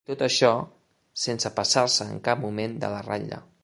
I tot això, sense passar-se en cap moment de la ratlla.